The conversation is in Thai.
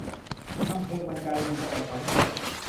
อำเภอมัญจาคีรี จังหวัดขอนแก่น